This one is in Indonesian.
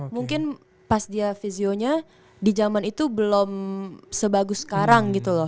mungkin pas dia visionya di zaman itu belum sebagus sekarang gitu loh